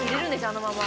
あのまま。